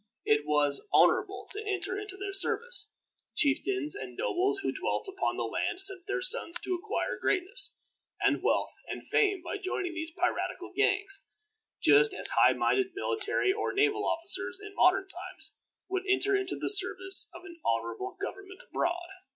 It was honorable to enter into their service. Chieftains and nobles who dwelt upon the land sent their sons to acquire greatness, and wealth, and fame by joining these piratical gangs, just as high minded military or naval officers, in modern times, would enter into the service of an honorable government abroad.